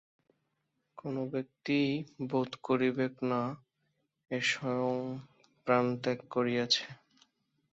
কোন ব্যক্তিই বোধ করিবেক না এ স্বয়ং প্রাণত্যাগ করিয়াছে।